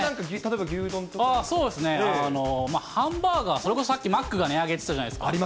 そうですね、ハンバーガー、それこそさっき、マックが値上げって言ったじゃないですか。